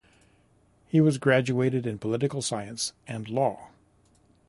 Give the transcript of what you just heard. He was graduated in political science and law.